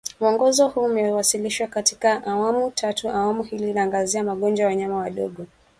Mwongozo huu umewasilishwa katika awamu tatu Awamu hii inaangazia magonjwa ya wanyama wadogo